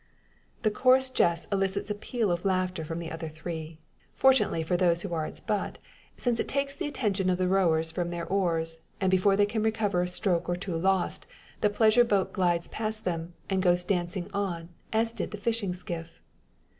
The coarse jest elicits a peal of laughter from the other three. Fortunately for those who are its butt, since it takes the attention of the rowers from their oars, and before they can recover a stroke or two lost the pleasure boat glides past them, and goes dancing on, as did the fishing skiff.